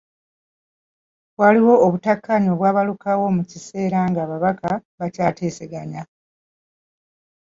Waliwo obutakkaanya obwabalukawo mu kiseera nga ababaka bakyateeseganya.